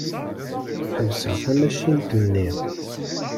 Ḥebseɣ tamacint-nni.